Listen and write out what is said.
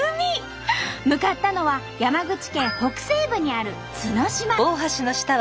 向かったのは山口県北西部にある角島。